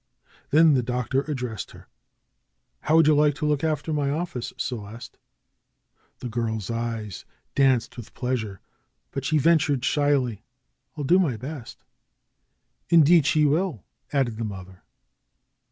Then the Doctor addressed her: ^^How would you like to look after my office, Celeste?" The girl's eyes danced with pleasure; but she ven tured shyly, ^H'11 do my best." ^Tndeed she will !" added her mother.